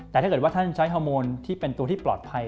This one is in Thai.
แต่ถ้าเกิดว่าท่านใช้ฮอร์โมนที่เป็นตัวที่ปลอดภัย